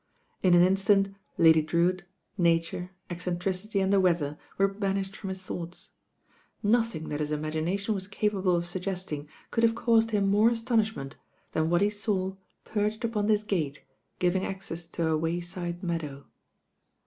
In an instant Lady Drewitt, Nature, eccentricity and the weather were banished from his thou^ta Nothing that his imagL iation was capable of tug. ^sting could have caused him more astonishment than what he saw perched upon this gate giving ac cess to a wayside meadow.